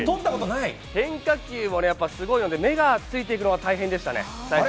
変化球もね、やっぱりすごいので、目がついていくのが、大変でしたね。